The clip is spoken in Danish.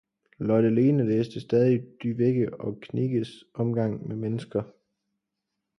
Lotte-Lene læste stadigt Dyveke og Knigges Omgang med Mennesker.